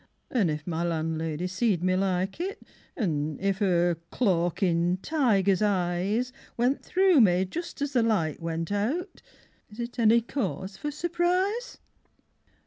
An' if my landlady seed me like it, An' if 'er clawkin', tiger's eyes Went through me just as the light went out Is it any cause for surprise?